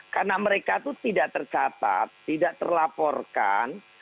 karena mereka itu tidak tercatat tidak terlaporkan